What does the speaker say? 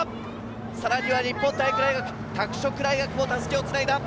さらには日本体育大学、拓殖大学も襷を繋いだ。